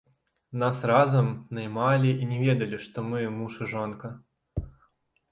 Нас разам наймалі і не ведалі, што мы муж і жонка.